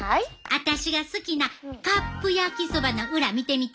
あたしが好きなカップ焼きそばの裏見てみて。